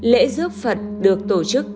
lễ giúp phật được tổ chức